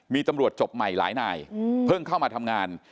มีตำรวจจบใหม่หลายนายเพิ่งเข้ามาทำงาน